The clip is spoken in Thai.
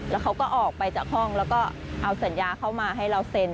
แล้วเขาก็ออกไปจากห้องแล้วก็เอาสัญญาเข้ามาให้เราเซ็น